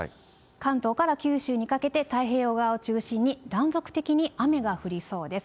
関東から九州にかけて太平洋側を中心に断続的に雨が降りそうです。